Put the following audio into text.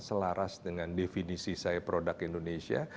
selaras dengan definisi saya produk indonesia